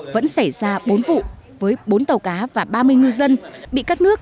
vẫn xảy ra bốn vụ với bốn tàu cá và ba mươi ngư dân bị cắt nước